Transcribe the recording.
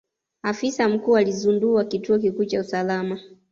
Afisa mkuu alizundua kituo kikuu cha usalama.